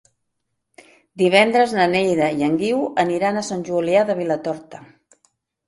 Divendres na Neida i en Guiu aniran a Sant Julià de Vilatorta.